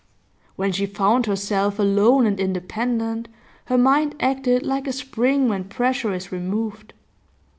When she found herself alone and independent, her mind acted like a spring when pressure is removed.